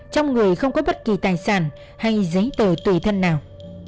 trong người không có bất kỳ tài sản hay giấy tờ tùy thân nào